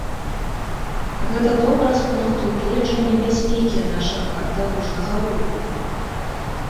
Гэта добра з пункту гледжання бяспекі нашага дарожнага руху.